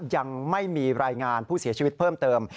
ยังไม่มีรายงานผู้เสียชีวิตเพิ่มเติม